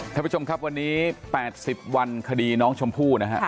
ท่านผู้ชมครับวันนี้๘๐วันคดีน้องชมพู่นะฮะ